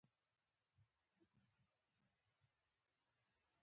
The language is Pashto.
روسان به ما وژني او ژوندی به مې پرېنږدي